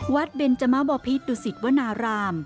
วัดเบนจมบพิษดุศิษฐ์วนาราม